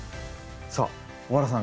さあ尾原さん